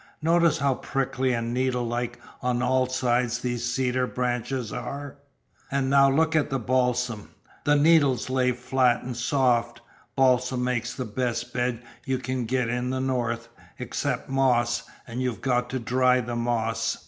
Notice how prickly and needlelike on all sides these cedar branches are. And now look at the balsam. The needles lay flat and soft. Balsam makes the best bed you can get in the North, except moss, and you've got to dry the moss."